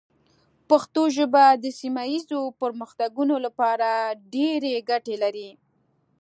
پښتو ژبه د سیمه ایزو پرمختګونو لپاره ډېرې ګټې لري.